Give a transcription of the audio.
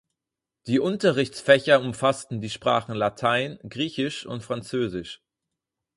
Die Unterrichtsfächer umfassten die Sprachen Latein, Griechisch und Französisch.